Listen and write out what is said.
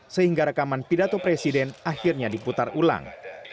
sehingga rekaman pidato presiden akhirnya diputar ulang